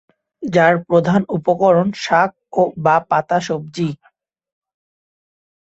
যার প্রধান উপকরণ শাক বা পাতা সবজি।